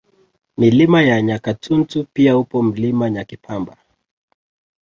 Milima ya Nyakatuntu pia upo Mlima Nyakipamba